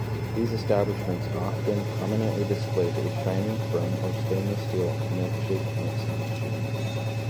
These establishments often prominently displayed a shining chrome or stainless steel milkshake mixing machine.